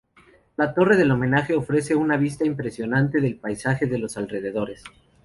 La torre del homenaje ofrece una vista impresionante del paisaje de los alrededores.